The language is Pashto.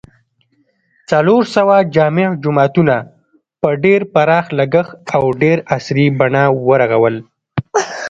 څلورسوه جامع جوماتونه په ډېر پراخ لګښت او ډېره عصري بڼه و رغول